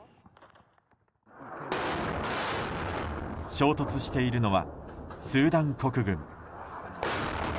衝突しているのはスーダン国軍。